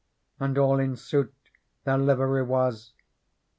And all in suit their livery was.